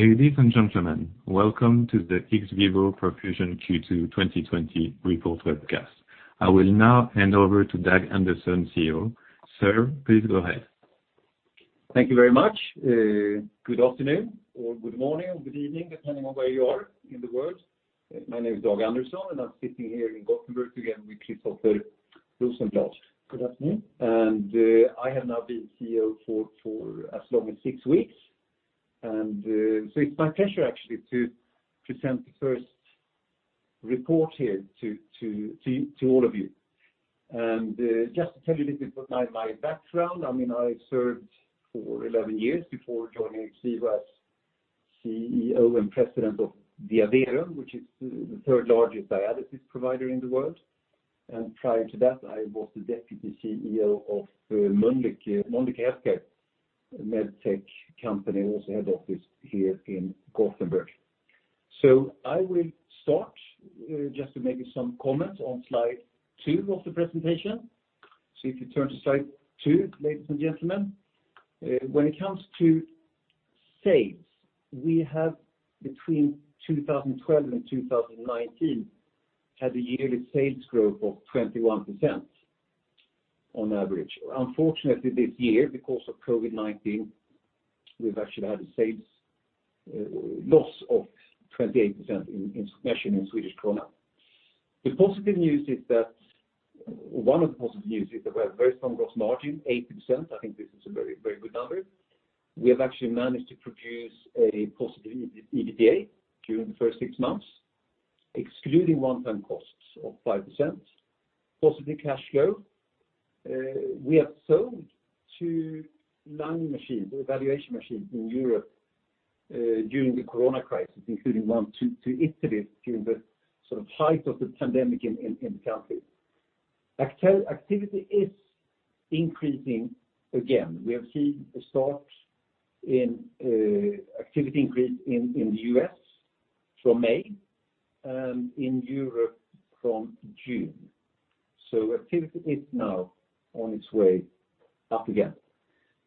Ladies and gentlemen, welcome to the XVIVO Perfusion Q2 2020 report webcast. I will now hand over to Dag Andersson, CEO. Sir, please go ahead. Thank you very much. Good afternoon or good morning or good evening, depending on where you are in the world. My name is Dag Andersson, and I'm sitting here in Gothenburg again with Christoffer Rosenblad. Good afternoon. I have now been CEO for as long as six weeks. It's my pleasure actually, to present the first report here to all of you. Just to tell you a little bit about my background. I served for 11 years before joining here as CEO and President of Diaverum, which is the third-largest dialysis provider in the world. Prior to that, I was the Deputy CEO of Mölnlycke Health Care med tech company, also head office here in Gothenburg. I will start just to maybe some comments on slide two of the presentation. If you turn to slide two, ladies and gentlemen. When it comes to sales, we have, between 2012 and 2019, had a yearly sales growth of 21% on average. Unfortunately, this year, because of COVID-19, we've actually had a sales loss of 28% in SEK. One of the positive news is that we have very strong gross margin, 80%. I think this is a very good number. We have actually managed to produce a positive EBITDA during the first six months, excluding one-time costs of 5%. Positive cash flow. We have sold two lung evaluation machines in Europe during the corona crisis, including one to Italy during the height of the pandemic in the country. Activity is increasing again. We have seen a start in activity increase in the U.S. from May, in Europe from June. Activity is now on its way up again.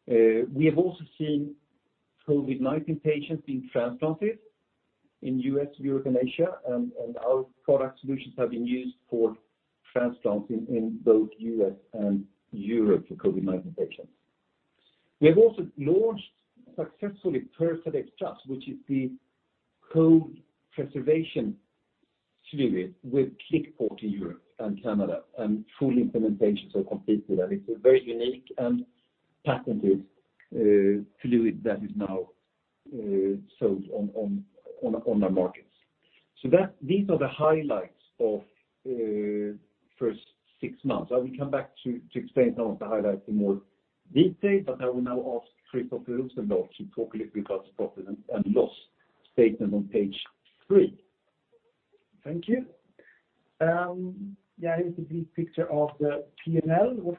We have also seen COVID-19 patients being transplanted in U.S., Europe, and Asia. Our product solutions have been used for transplants in both U.S. and Europe for COVID-19 patients. We have also launched successfully PERFADEX, which is the cold preservation fluid with Click Port in Europe and Canada, and full implementations are complete with that. It's a very unique and patented fluid that is now sold on the markets. These are the highlights of first six months. I will come back to explain some of the highlights in more detail, but I will now ask Christoffer Rosenblad to talk a little bit about profit and loss statement on page three. Thank you. Here is the big picture of the P&L. What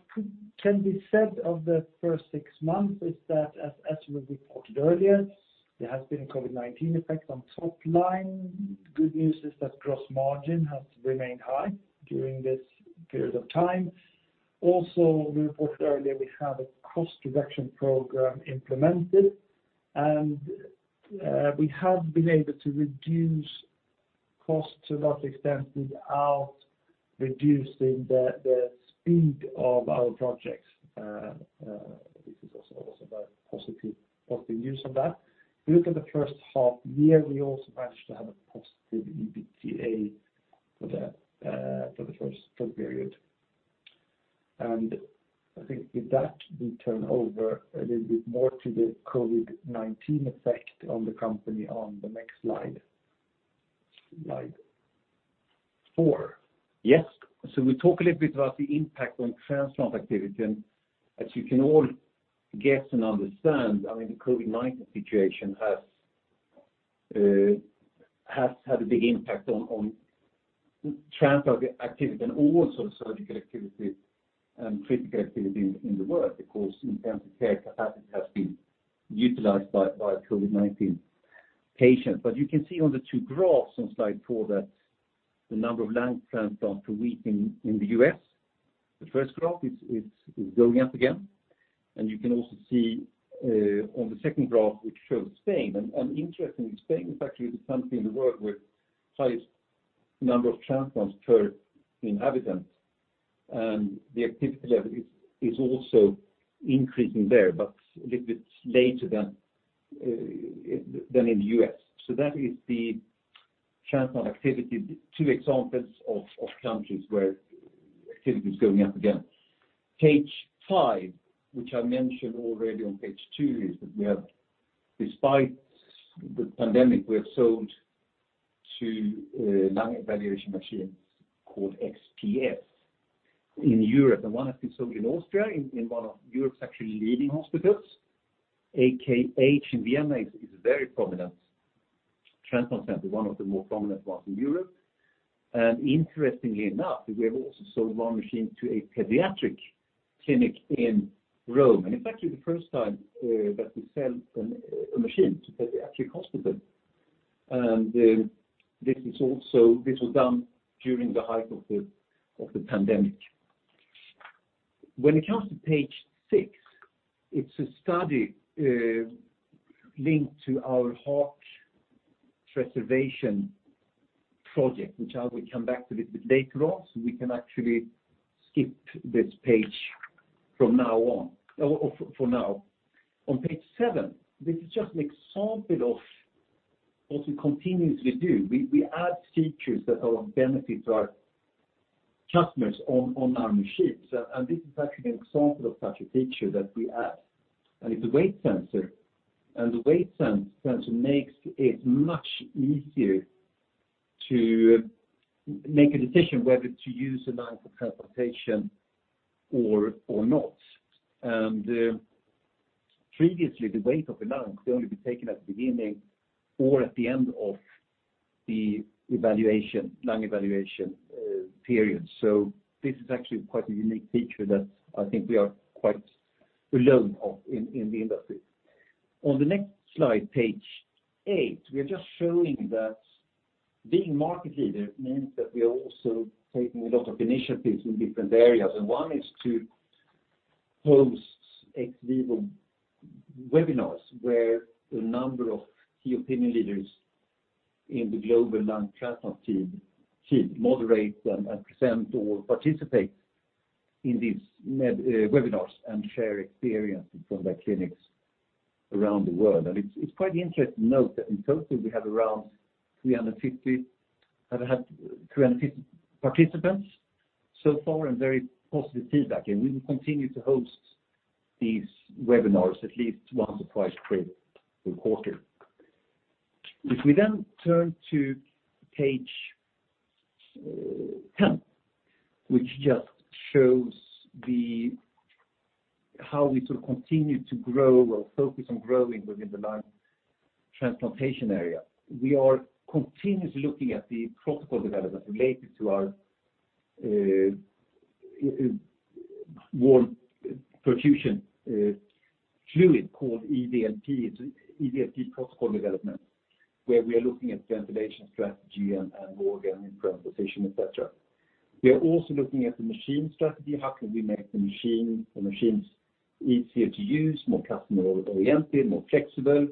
can be said of the first six months is that, as we reported earlier, there has been a COVID-19 effect on top line. Good news is that gross margin has remained high during this period of time. Also, we reported earlier, we have a cost reduction program implemented, and we have been able to reduce costs to large extent without reducing the speed of our projects. This is also the positive news of that. If you look at the first half year, we also managed to have a positive EBITDA for the first period. I think with that, we turn over a little bit more to the COVID-19 effect on the company on the next slide. Slide four. Yes. We talk a little bit about the impact on transplant activity. As you can all guess and understand, the COVID-19 situation has had a big impact on transplant activity and all sorts of surgical activity and critical activity in the world, because intensive care capacity has been utilized by COVID-19 patients. You can see on the two graphs on slide four that the number of lung transplants per week in the U.S., the first graph is going up again. You can also see on the second graph, which shows Spain. Interestingly, Spain is actually the country in the world with highest number of transplants per inhabitants. The activity level is also increasing there, but a little bit later than in the U.S. That is the transplant activity. Two examples of countries where activity is going up again. Page five, which I mentioned already on page two, is that despite the pandemic, we have sold two lung evaluation machines called XPS in Europe. One has been sold in Austria in one of Europe's actually leading hospitals. AKH in Vienna is a very prominent transplant center, one of the more prominent ones in Europe. Interestingly enough, we have also sold one machine to a pediatric clinic in Rome, and in fact, it's the first time that we sell a machine to pediatric hospital. This was done during the height of the pandemic. When it comes to page six, it's a study linked to our heart preservation project, which I will come back to a bit later on, so we can actually skip this page for now. On page seven, this is just an example of what we continuously do. We add features that are of benefit to our customers on our machines, and this is actually an example of such a feature that we add. It's a weight sensor. The weight sensor makes it much easier to make a decision whether to use a lung for transplantation or not. Previously, the weight of the lung could only be taken at the beginning or at the end of the lung evaluation period. This is actually quite a unique feature that I think we are quite alone of in the industry. On the next slide, page eight, we are just showing that being market leader means that we are also taking a lot of initiatives in different areas. One is to host ex vivo webinars, where a number of key opinion leaders in the global lung transplant field moderate and present or participate in these webinars and share experiences from their clinics around the world. It's quite interesting to note that in total, we have had around 350 participants so far and very positive feedback. We will continue to host these webinars at least once or twice per quarter. If we turn to page 10, which just shows how we continue to grow or focus on growing within the lung transplantation area. We are continuously looking at the protocol developments related to our warm perfusion fluid called EVLP. It's EVLP protocol development, where we are looking at ventilation strategy and organ preservation, et cetera. We are also looking at the machine strategy. How can we make the machines easier to use, more customer-oriented, more flexible?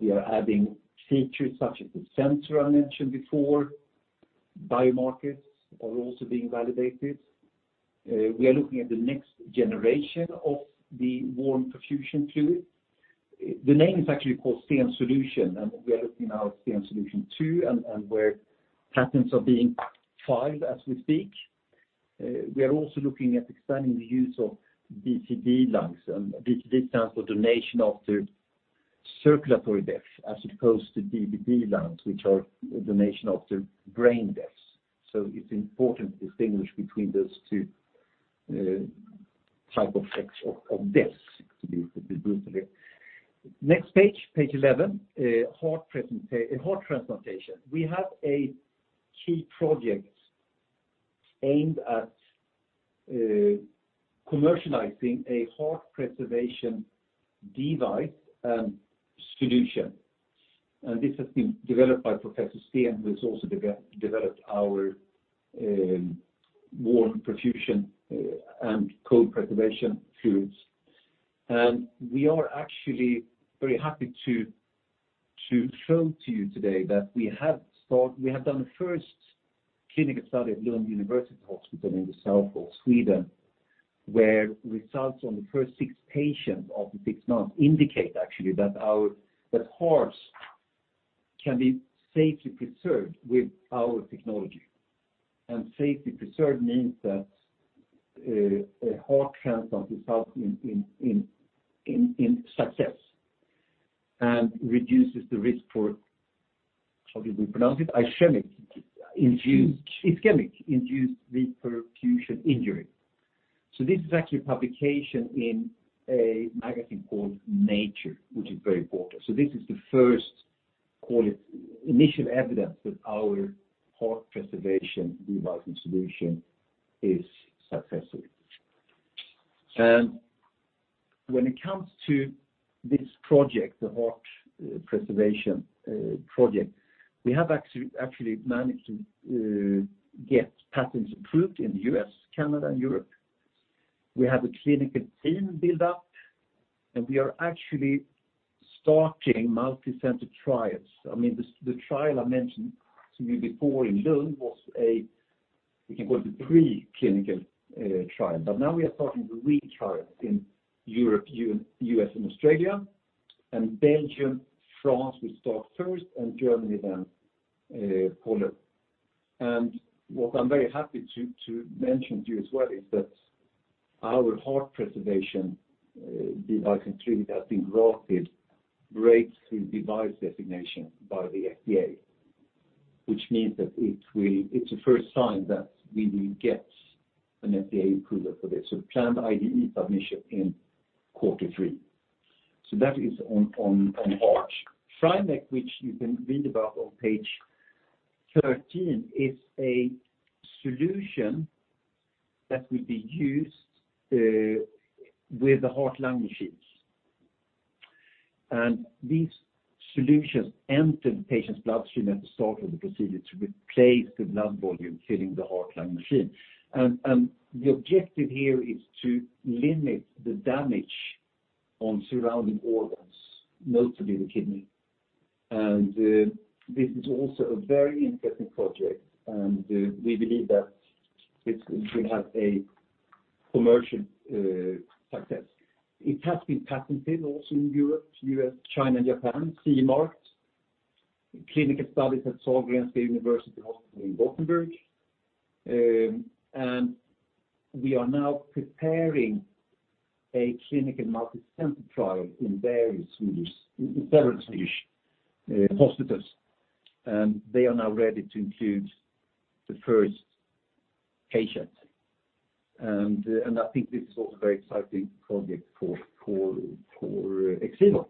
We are adding features such as the sensor I mentioned before. Biomarkers are also being validated. We are looking at the next generation of the warm perfusion fluid. The name is actually called STEEN Solution, and we are looking now at STEEN Solution 2 and where patents are being filed as we speak. We are also looking at expanding the use of DCD lungs, and DCD stands for donation after circulatory death, as opposed to DBD lungs, which are donation after brain death. It's important to distinguish between those two types of deaths, to be brutal here. Next page 11, heart transplantation. We have a key project aimed at commercializing a heart preservation device solution. This has been developed by Professor Sten, who has also developed our warm perfusion and cold preservation fluids. We are actually very happy to show to you today that we have done a first clinical study at Skåne University Hospital in the south of Sweden, where results on the first six patients of the six months indicate actually that hearts can be safely preserved with our technology. Safely preserved means that a heart transplant results in success and reduces the risk for. How do we pronounce it? Ischemic ischemic induced reperfusion injury. This is actually a publication in a magazine called Nature, which is very important. This is the first initial evidence that our heart preservation device solution is successful. When it comes to this project, the heart preservation project, we have actually managed to get patents approved in the U.S., Canada, and Europe. We have a clinical team build-up, and we are actually starting multi-center trials. The trial I mentioned to you before in Lund was a, we can call it, pre-clinical trial. Now we are starting the real trial in Europe, U.S., and Australia. Belgium, France will start first, and Germany then follow. What I'm very happy to mention to you as well is that our heart preservation device and treatment has been granted Breakthrough Device Designation by the FDA, which means that it's a first sign that we will get an FDA approval for this. Planned IDE submission in quarter three. That is on heart. PrimECC, which you can read about on page 13, is a solution that will be used with the heart-lung machines. These solutions enter the patient's bloodstream at the start of the procedure to replace the blood volume filling the heart-lung machine. The objective here is to limit the damage on surrounding organs, notably the kidney. This is also a very interesting project, and we believe that this will have a commercial success. It has been patented also in Europe, U.S., China, and Japan, CMAR, clinical studies at Sahlgrenska University Hospital in Gothenburg. We are now preparing a clinical multicenter trial in several Swedish hospitals. They are now ready to include the first patient. I think this is also a very exciting project for XVIVO.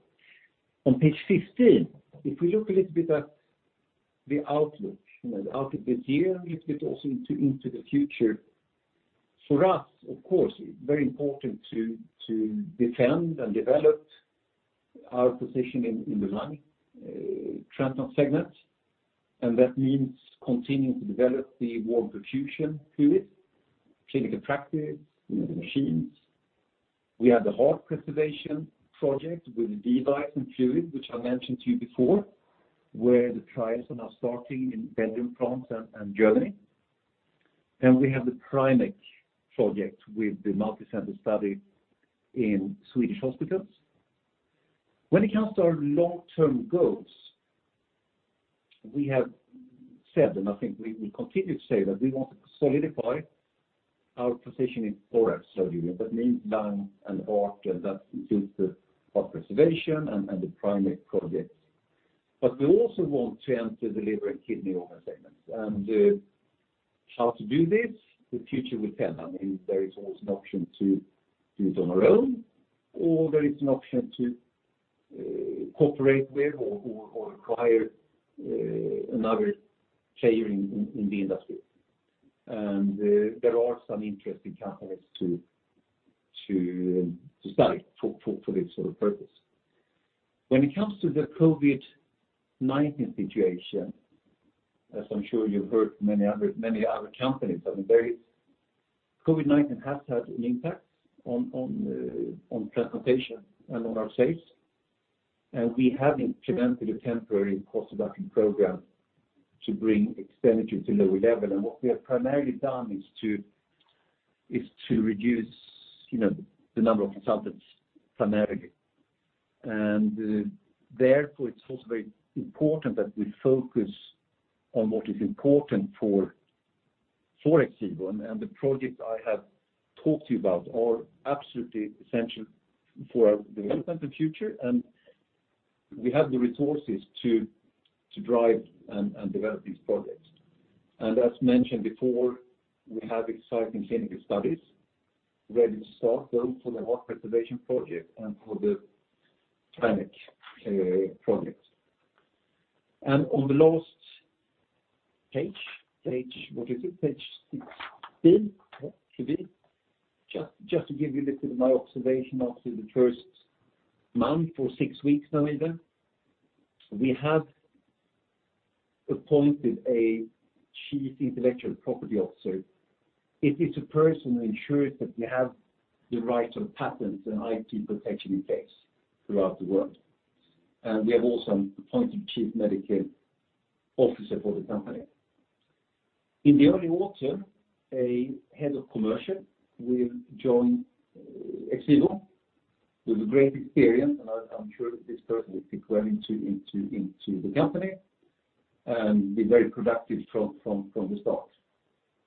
On page 15, if we look a little bit at the outlook of this year, a little bit also into the future. For us, of course, very important to defend and develop our position in the lung transplant segment. That means continuing to develop the warm perfusion fluid, clinical practice with the machines. We have the heart preservation project with the device and fluid, which I mentioned to you before, where the trials are now starting in Belgium, France, and Germany. We have the PrimECC project with the multicenter study in Swedish hospitals. When it comes to our long-term goals, we have said, and I think we continue to say that we want to solidify our position in organ surgery. That means lung and heart, and that includes the heart preservation and the PrimECC projects. We also want to enter the liver and kidney organ segments. How to do this? The future will tell. There is always an option to do it on our own, or there is an option to cooperate with or acquire another player in the industry. There are some interesting candidates to study for this sort of purpose. When it comes to the COVID-19 situation, as I'm sure you've heard from many other companies, COVID-19 has had an impact on transplantation and on our sales. We have implemented a temporary cost-reduction program to bring expenditure to low level. What we have primarily done is to reduce the number of consultants primarily. Therefore, it's also very important that we focus on what is important for XVIVO. The projects I have talked to you about are absolutely essential for our development in the future, and we have the resources to drive and develop these projects. As mentioned before, we have exciting clinical studies ready to start both for the heart preservation project and for the PrimECC project. On the last page 16, just to give you a little my observation after the first month or six weeks now even. We have appointed a Chief Intellectual Property Officer. It is a person who ensures that we have the right sort of patents and IP protection in place throughout the world. We have also appointed Chief Medical Officer for the company. In the early autumn, a head of commercial will join XVIVO with great experience. I'm sure this person will fit well into the company and be very productive from the start.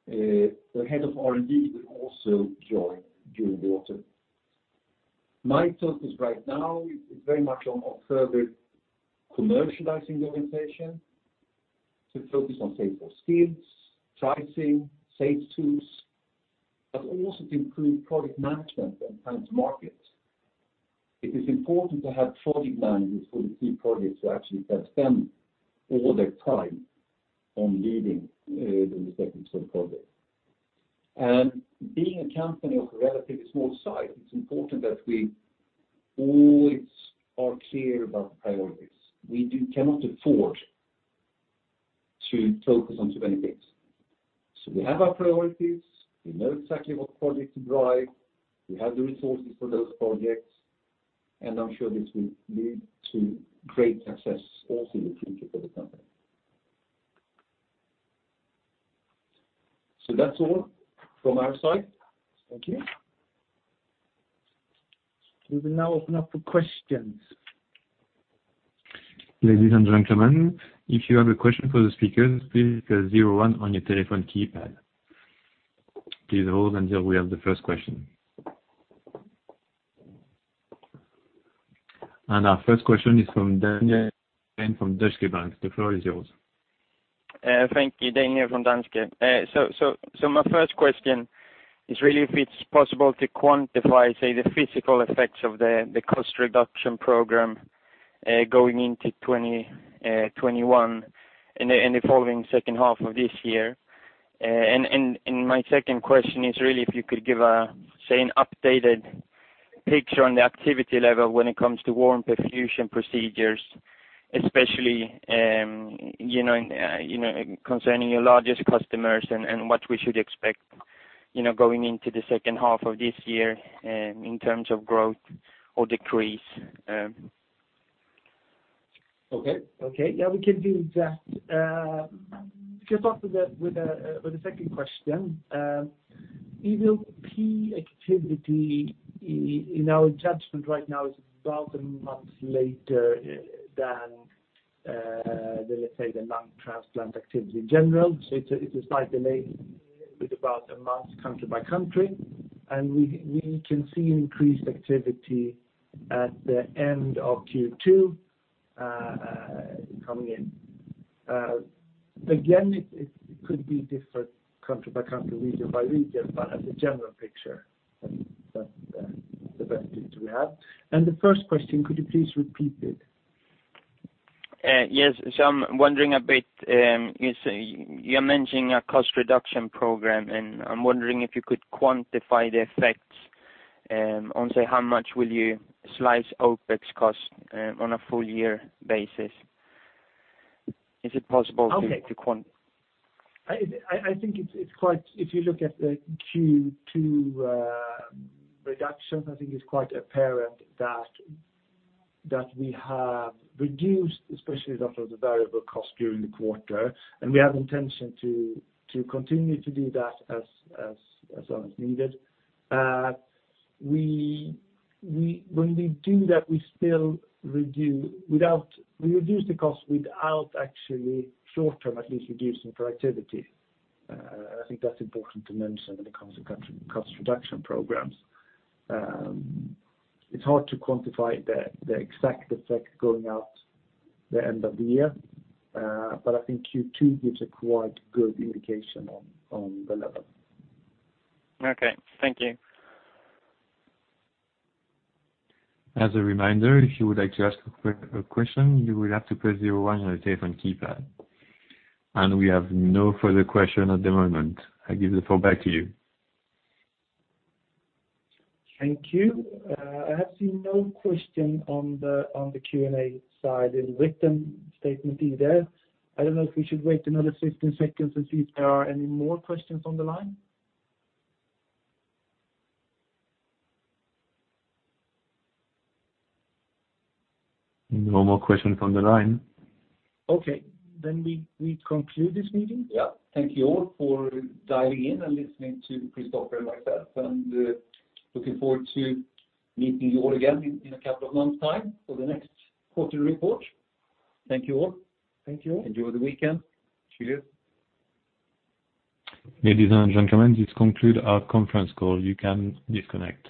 The head of R&D will also join during the autumn. My focus right now is very much on observing commercializing the organization to focus on sales force skills, pricing, sales tools, but also to improve product management and product market. It is important to have product managers for the key projects who actually can spend all their time on leading the respective sort of project. Being a company of a relatively small size, it's important that we always are clear about the priorities. We cannot afford to focus on too many things. We have our priorities. We know exactly what project to drive. We have the resources for those projects, and I'm sure this will lead to great success also in the future for the company. That's all from our side. Thank you. We will now open up for questions. Ladies and gentlemen, if you have a question for the speakers, please dial 01 on your telephone keypad. Please hold until we have the first question. Our first question is from Daniel Djurberg from Danske Bank. The floor is yours. Thank you. Daniel from Danske. My first question is really if it's possible to quantify, say, the physical effects of the cost reduction program going into 2021 and the following second half of this year. My second question is really if you could give, say, an updated picture on the activity level when it comes to warm perfusion procedures, especially concerning your largest customers and what we should expect going into the second half of this year in terms of growth or decrease. Okay. Yeah, we can do that. To kick off with the second question. EVLP activity, in our judgment right now, is about a month later than, let's say, the lung transplant activity in general. It's a slight delay with about a month country by country. We can see increased activity at the end of Q2 coming in. Again, it could be different country by country, region by region, but as a general picture, that's the best data we have. The first question, could you please repeat it? Yes. I'm wondering a bit, you're mentioning a cost reduction program, and I'm wondering if you could quantify the effects on, say, how much will you slice OpEx cost on a full year basis? Is it possible to quant? I think if you look at the Q2 reduction, I think it's quite apparent that we have reduced, especially a lot of the variable cost during the quarter, and we have intention to continue to do that as long as needed. When we do that, we reduce the cost without actually short-term, at least reducing productivity. I think that's important to mention when it comes to cost reduction programs. It's hard to quantify the exact effect going out the end of the year. I think Q2 gives a quite good indication on the level. Okay. Thank you. As a reminder, if you would like to ask a question, you will have to press 01 on your telephone keypad. We have no further question at the moment. I give the floor back to you. Thank you. I have seen no question on the Q&A side in written statement either. I don't know if we should wait another 15 seconds and see if there are any more questions on the line. No more questions on the line. Okay. We conclude this meeting. Thank you all for dialing in and listening to Kristoffer and myself, looking forward to meeting you all again in a couple of months' time for the next quarter report. Thank you all. Thank you all. Enjoy the weekend. Cheers. Ladies and gentlemen, this concludes our conference call. You can disconnect.